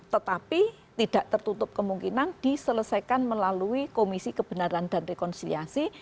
tetapi tidak tertutup kemungkinan diselesaikan melalui komisi kebenaran dan rekonsiliasi